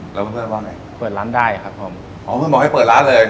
แล้วเพื่อนว่าไงเปิดร้านได้ครับผมอ๋อเพื่อนบอกให้เปิดร้านเลย